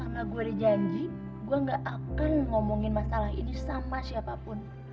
karena gue dijanji gue gak akan ngomongin masalah ini sama siapapun